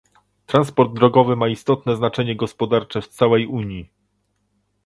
Transport drogowy ma istotne znaczenie gospodarcze w całej Unii